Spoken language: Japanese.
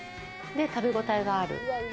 食べごたえがある。